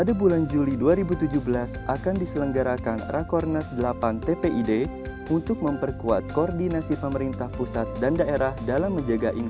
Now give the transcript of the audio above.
dua ribu tujuh belas akan diselenggarakan rakornes delapan tpid untuk memperkuat koordinasi pemerintah pusat dan daerah dalam menjaga inflasi